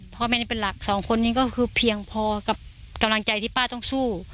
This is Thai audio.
พ่อแม่นี่เป็นหลักสองคนนี้ก็คือเพียงพอกับกำลังใจที่ป้าต้องสู้